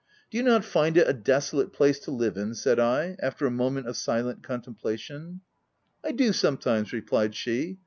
" Do you not find it a desolate place to live in?" said I, after a moment of silent con templation. " I do, sometimes," replied she.